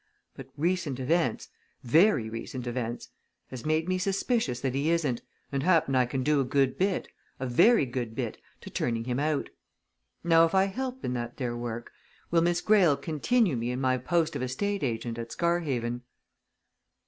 But recent events very recent events! has made me suspicious that he isn't, and happen I can do a good bit a very good bit to turning him out. Now, if I help in that there work, will Miss Greyle continue me in my post of estate agent at Scarhaven?"